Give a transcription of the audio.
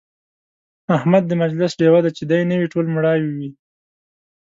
احمد د مجلس ډېوه دی، چې دی نه وي ټول مړاوي وي.